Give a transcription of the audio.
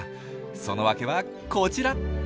その訳はこちら。